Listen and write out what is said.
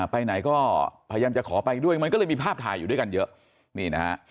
ไปไหนก็พยายามจะขอไปด้วยมันก็เลยมีภาพถ่ายอยู่ด้วยกันเยอะนี่นะฮะ